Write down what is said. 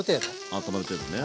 あったまる程度ね。